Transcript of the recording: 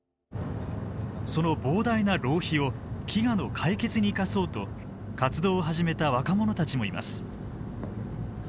その膨大な浪費を飢餓の解決に生かそうと活動を始めた若者たちもいます。